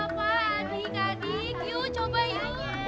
bapak adik adik yuk coba yuk